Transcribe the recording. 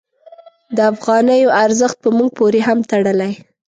د افغانیو ارزښت په موږ پورې هم تړلی.